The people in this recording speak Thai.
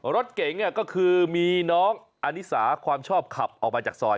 รถเก๋งก็คือมีน้องอนิสาความชอบขับออกมาจากซอย